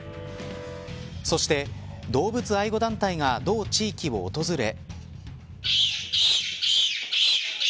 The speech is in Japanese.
そして、動物愛護団体が同地域を訪れ。